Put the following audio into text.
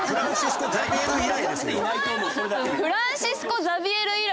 フランシスコ・ザビエル以来？